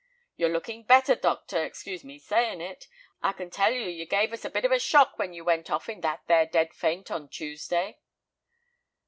"You're looking better, doctor, excuse me saying it. I can tell you you gave us a bit of a shock when you went off in that there dead faint on Tuesday."